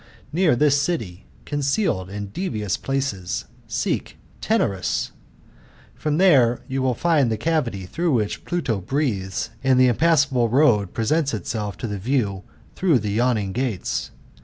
Near this city, concealed in devious places, seekjlenarusi for thefe you will find the cavity through ^i^hich PlutQ breathes, an, dJ.heimpa«fsaDie iroadpfesents itselif through the yawning gates.